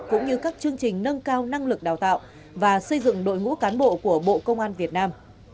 cũng như các chương trình nâng cao năng lực đào tạo và xây dựng đội ngũ cán bộ của bộ công an việt nam